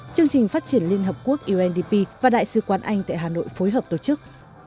chương trình phát triển liên hợp quốc undp và đại sứ quán anh tại hà nội phối hợp tổ chức